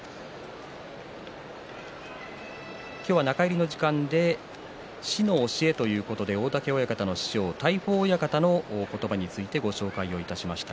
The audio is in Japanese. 中入りの時間で「師の教え」ということで大嶽親方へ、大鵬親方の言葉についてご紹介しました。